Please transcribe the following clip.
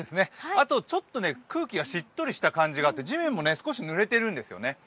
あとちょっと空気がしっとりした感じがあって地面も少しぬれているんですよね。